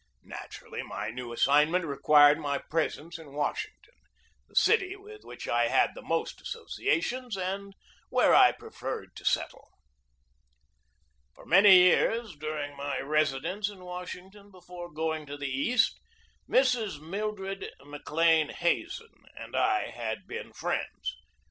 Naturally, my new as signment required my presence in Washington, the city with which I had the most associations, and where I preferred to settle. For many years during my residence in Washing ton before going to the East Mrs. Mildred (McLean) 292 GEORGE DEWEY Hazen and I had been friends.